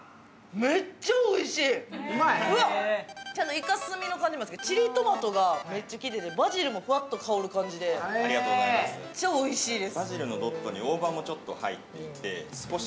イカスミの感じもあるんですけどチリトマトがめっちゃきいていてバジルもふわっと香る感じで超おいしいです。